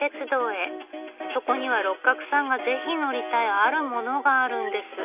そこには六角さんがぜひ乗りたい「あるもの」があるんです。